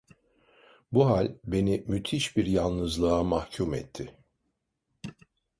Bu hal beni müthiş bir yalnızlığa mahkûm etti.